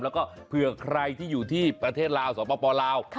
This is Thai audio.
แล้วก็เพื่อใครที่อยู่ที่ประเทศลาวสวัสดีครับป่าวลาว